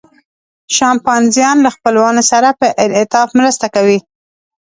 شامپانزیان له خپلوانو سره په انعطاف مرسته کوي.